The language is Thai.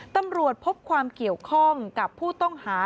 ตำรวจพบความเกี่ยวข้องกับผู้ต้องหา